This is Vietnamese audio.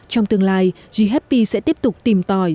trong tương lai g happy sẽ tiếp tục tìm tòi